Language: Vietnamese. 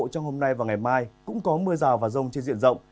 trong hôm nay và ngày mai cũng có mưa rào và rông trên diện rộng